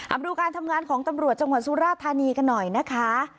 เอาดูการทำงานของตำรวจจังหวัดสุราธานีกันหน่อยนะคะ